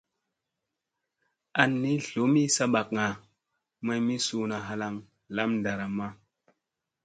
An ni dlomi sabakga may mi suuna halaŋ lam ɗaramma.